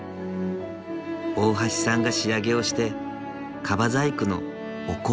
大橋さんが仕上げをして樺細工のお香入れが完成。